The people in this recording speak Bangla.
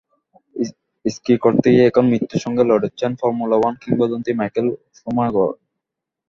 স্কি করতে গিয়ে এখন মৃত্যুর সঙ্গে লড়ছেন ফর্মুলা ওয়ান কিংবদন্তি মাইকেল শুমাখার।